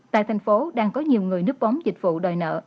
tại thành phố đang có nhiều người núp bóng dịch vụ đòi nợ